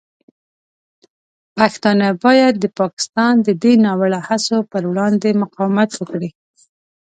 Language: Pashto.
پښتانه باید د پاکستان د دې ناوړه هڅو پر وړاندې مقاومت وکړي.